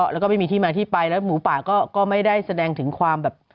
แล้วก็ไม่มีที่มาที่ไปแล้วหมูป่าก็ไม่ได้แสดงถึงความแบบ